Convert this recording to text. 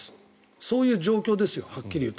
そういう状況ですよはっきり言うと。